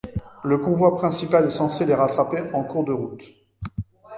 Le convoi principal est censé les rattraper en cours de route.